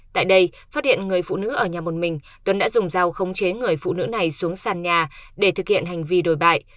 tại đây phát hiện người phụ nữ ở nhà một mình tuấn đã dùng dao khống chế người phụ nữ này xuống sàn nhà để thực hiện hành vi đồi bại